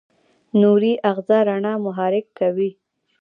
نوري آخذه رڼا محرک کوي.